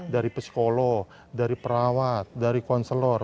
dari psikolog dari perawat dari konselor